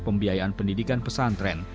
pembiayaan pendidikan pesantren